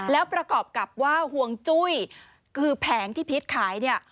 แล้วประกอบกับว่าห่วงจุ้ยคือแผงที่พีชขายเนี่ย